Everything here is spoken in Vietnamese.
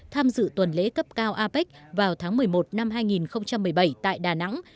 tham dự tuần lễ cấp cao apec vào tháng một mươi một năm hai nghìn một mươi bảy tại đà nẵng